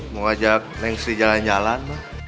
mau ajak neng sri jalan jalan